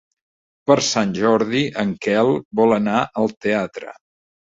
Per Sant Jordi en Quel vol anar al teatre.